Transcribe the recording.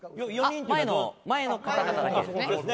前の方々だけですね。